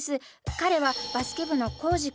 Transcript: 彼はバスケ部のコウジ君。